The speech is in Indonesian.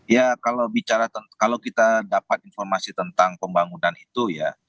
ya kalau kita dapat informasi tentang pembangunan itu ya